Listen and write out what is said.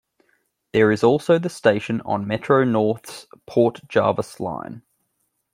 There is also the station on Metro-North's Port Jervis Line.